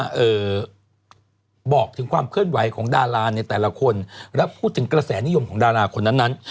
เอ่อบอกถึงความเคลื่อนไหวของดาราในแต่ละคนและพูดถึงกระแสนิยมของดาราคนนั้นนั้น